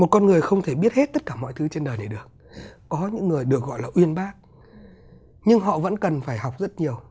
có những người được gọi là uyên bác nhưng họ vẫn cần phải học rất nhiều